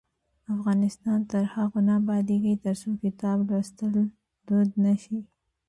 افغانستان تر هغو نه ابادیږي، ترڅو کتاب لوستل دود نشي.